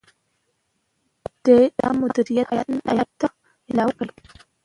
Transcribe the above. ده مدیره هیات ته اطلاع ورکړه.